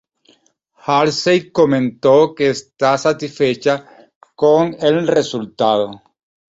Halsey comento que esta satisfecha con el resultado.